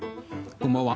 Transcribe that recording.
こんばんは。